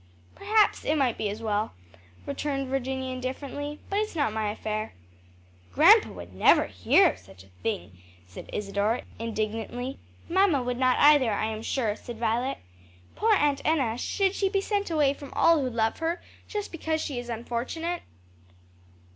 "Perhaps it might be as well," returned Virginia indifferently, "but it's not my affair." "Grandpa would never hear of such a thing!" said Isadore, indignantly. "Mamma would not either, I am sure," said Violet. "Poor Aunt Enna! should she be sent away from all who love her, just because she is unfortunate?"